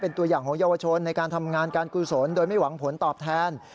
เป็นตัวอย่างของเยาวชนในการทำงานการกุศลโดยไม่หวังผลตอบแทน